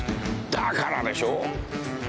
だからでしょう？